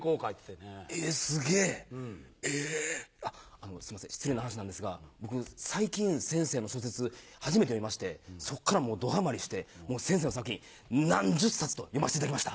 あのすいません失礼な話なんですが僕最近先生の小説初めて読みましてそっからもうどハマりしてもう先生の作品何十冊と読ませていただきました。